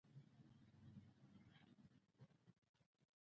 د همدې بوټي کاغذ چې انګرېزي نوم یې پپیازي دی.